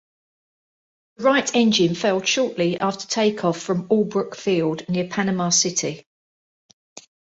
The right engine failed shortly after take-off from Albrook Field, near Panama City.